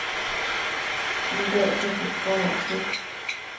Nidec queque isbonocqui